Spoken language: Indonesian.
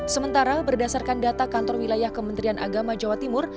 sementara berdasarkan data kantor wilayah kementerian agama jawa timur